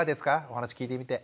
お話聞いてみて。